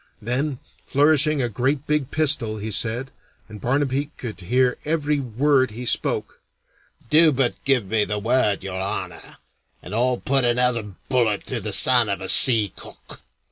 Then, flourishing a great big pistol, he said, and Barnaby could hear every word he spoke, "Do but give me the word, Your Honor, and I'll put another bullet through the son of a sea cook."